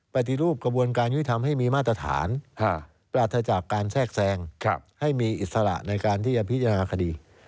ปฏิรูปกระบวนการยุติธรรมให้มีมาตรฐานปราศจากการแทรกแทรงให้มีอิสระในการที่จะพิจารณาคดี